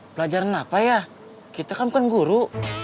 pelajaran apa ya kita kan bukan guru